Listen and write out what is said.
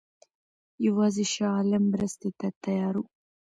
یوازې شاه عالم مرستې ته تیار وو.